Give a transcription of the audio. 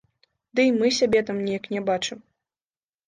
Ды і мы сябе там неяк не бачым.